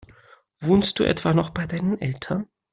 Wohnst du etwa noch bei deinen Eltern?